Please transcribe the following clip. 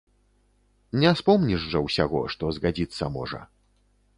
Не спомніш жа ўсяго, што згадзіцца можа.